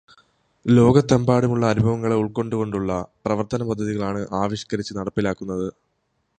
ലോകത്തെമ്പാടുമുള്ള അനുഭവങ്ങളെ ഉള്ക്കൊണ്ടുകൊണ്ടുള്ള പ്രവര്ത്തനപദ്ധതികളാണ് ആവിഷ്കരിച്ച് നടപ്പിലാക്കുന്നത്.